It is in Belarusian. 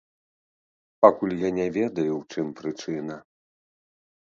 Пакуль я не ведаю ў чым прычына.